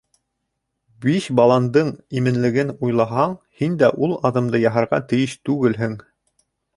Биш баландың именлеген уйлаһаң, һин дә ул аҙымды яһарға тейеш түгелһең!